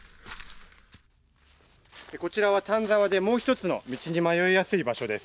こちらは丹沢でもう１つの道に迷いやすい場所です。